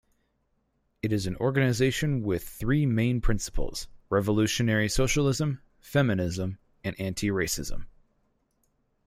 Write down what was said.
It is an organization with three main principles: revolutionary socialism, feminism, and anti-racism.